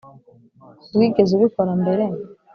wigeze ubikora mbere?